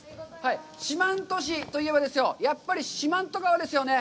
四万十市といえばですよ、やっぱり四万十川ですよね？